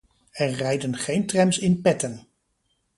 Er rijden geen trams in Petten.